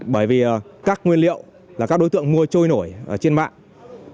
bởi vì các nguyên liệu là các đối tượng mua trôi nổi trên mạng